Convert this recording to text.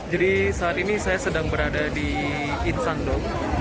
jadi saat ini saya sedang berada di insan dong market